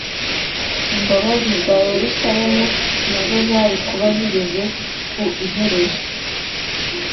imbabazi za Yerusalemu nazo zari kuba zigeze ku iherezo.